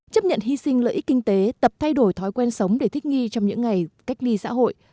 chấp nhận hy sinh lợi ích kinh tế tập thay đổi thói quen sống để thích nghi trong những ngày cách ly xã hội